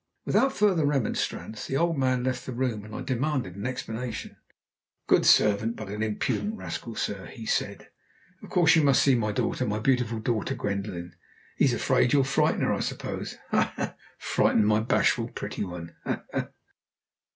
Without further remonstrance the old man left the room, and I demanded an explanation. "Good servant, but an impudent rascal, sir!" he said. "Of course you must see my daughter, my beautiful daughter, Gwendoline. He's afraid you'll frighten her, I suppose! Ha! ha! Frighten my bashful, pretty one. Ha! ha!"